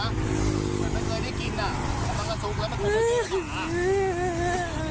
แก่ไก่ไม่เคยได้กินอ่ะตรงนี้สุกแล้วมันคงสุกไปแดบป่า